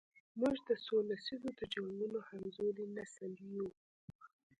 موږ د څو لسیزو د جنګونو همزولی نسل یو.